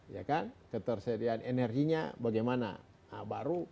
ya kan ketersediaan energinya bagaimana baru